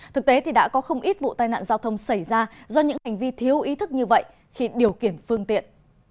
thực tế thì đã có không ít vụ tai nạn giao thông xảy ra do những hành vi thiếu ý thức như vậy khi điều kiển phương tiện